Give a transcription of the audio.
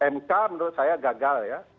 mk menurut saya gagal ya